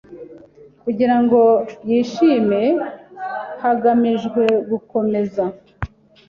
kugirango yishime hagamijwe gukomeza